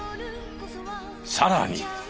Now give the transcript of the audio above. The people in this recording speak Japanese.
さらに。